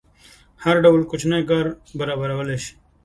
هر ډول کوچنی کار برابرولی شي.